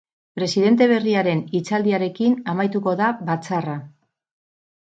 Presidente berriaren hitzaldiarekin amaituko da batzarra.